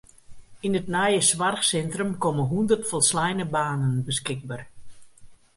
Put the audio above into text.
Yn it nije soarchsintrum komme hûndert folsleine banen beskikber.